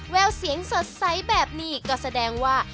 แววเสียงสดใสแบบนี้ก็แสดงว่า